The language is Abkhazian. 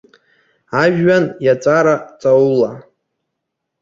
Ажәҩан иаҵәара ҵаула.